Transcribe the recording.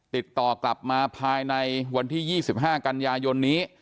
ติดต่อกลับมาภายในวันที่๒๕กันยายนนี้